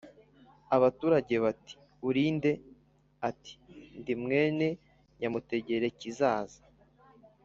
abaturage bati: "Uri nde?" Ati: "Ndi mwene Nyamutegerikizaza